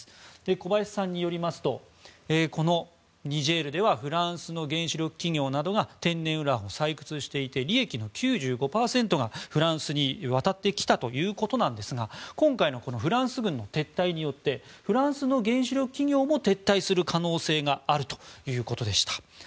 小林さんによりますとこのニジェールではフランスの原子力企業などが天然ウランを採掘していて利益の９５％がフランスに渡ってきたということですが今回のフランス軍の撤退によってフランスの原子力企業も撤退する可能性があるということでした。